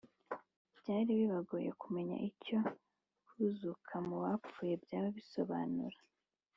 byari bibagoye kumenya icyo kuzuka mu bapfuye byaba bisobanura